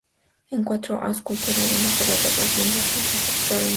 En cuanto a escultura, hay obras de Rodin, Brancusi, Hepworth y Moore.